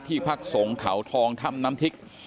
ที่ภักษงเถาทองถ้ำน้ำทิก